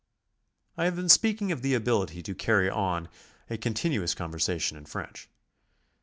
I have been speaking of the ability to carry on a continu ous conversation in French.